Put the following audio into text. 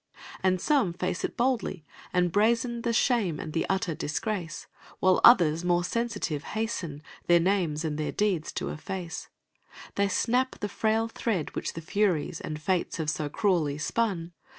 And some face it boldly, and brazen The shame and the utter disgrace; While others, more sensitive, hasten Their names and their deeds to efface. They snap the frail thread which the Furies And Fates have so cruelly spun.